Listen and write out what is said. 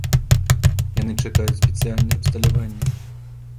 Яны чакаюць спецыяльнае абсталяванне.